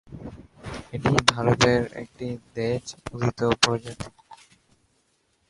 এটি ভারতের একটি দেশজ উদ্ভিদ প্রজাতি।